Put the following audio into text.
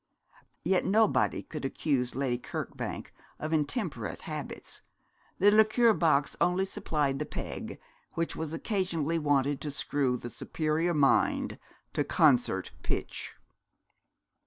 Yet nobody could accuse Lady Kirkbank of intemperate habits. The liqueur box only supplied the peg that was occasionally wanted to screw the superior mind to concert pitch.